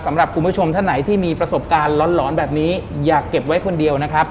สำหรับคุณผู้ชมท่านไหนที่มีประสบการณ์หลอนแบบนี้อย่าเก็บไว้คนเดียวนะครับ